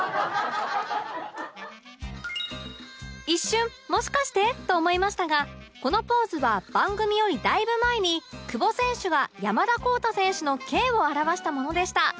一瞬もしかして？と思いましたがこのポーズは番組よりだいぶ前に久保選手が山田康太選手の「Ｋ」を表したものでした